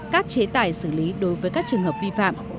các chế tài xử lý đối với các trường hợp vi phạm